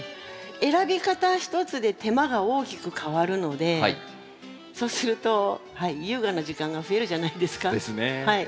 選び方ひとつで手間が大きく変わるのでそうすると優雅な時間が増えるじゃないですか。ですね。